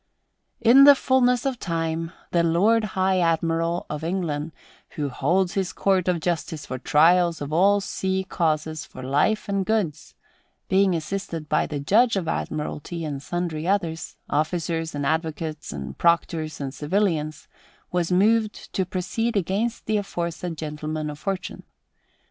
In the fullness of time, the Lord High Admiral of England, "who holds his court of justice for trials of all sea causes for life and goods," being assisted by the Judge of Admiralty and sundry others, officers and advocates and proctors and civilians, was moved to proceed against the aforesaid gentlemen of fortune.